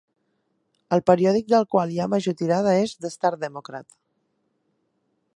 El periòdic del qual hi ha major tirada és "The Star Democrat".